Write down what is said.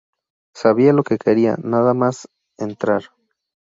Sabia lo que quería nada más entrar".